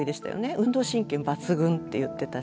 運動神経抜群って言ってたし。